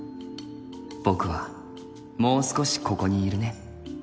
僕はもう少しここにいるね」。